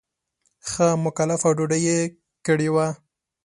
ښه مکلفه ډوډۍ یې کړې وه.